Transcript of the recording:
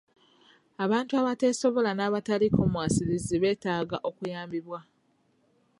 Abantu abateesobola n'abataliiko mwasirizi beetaaga okuyambibwa.